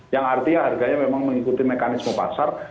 yang artinya harganya memang mengikuti mekanisme pasar